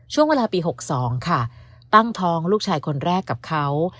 ช่วงเวลาปี๖๒ค่ะตั้งท้องลูกชายคนแรกกับเขา